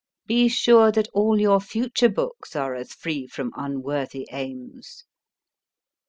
Be sure that all your future books are as free from unworthy aims.